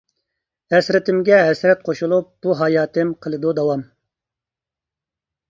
ھەسرىتىمگە ھەسرەت قوشۇلۇپ، بۇ ھاياتىم قىلىدۇ داۋام.